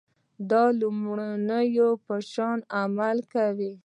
د لومړني په شان عمل وکړئ.